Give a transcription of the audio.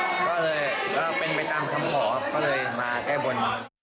เดือดร้อนเรื่องอะไรนะคะทุกอย่างไม่ว่าจะเป็นเรื่องการเก็บป่วย